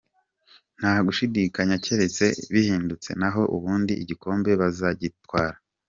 Nta gushidikanya, keretse bihindutse naho ubundi igikombe bazagitwara.